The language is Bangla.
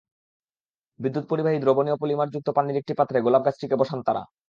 বিদ্যুৎ পরিবাহী দ্রবণীয় পলিমারযুক্ত পানির একটি পাত্রে গোলাপ গাছটিকে বসান তাঁরা।